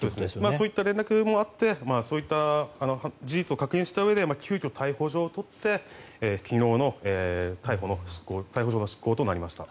そういう連絡もあってそういった事実を確認したうえで急きょ、逮捕状を取って昨日の逮捕状の執行となりました。